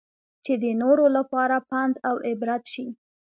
چې د نورو لپاره پند اوعبرت شي.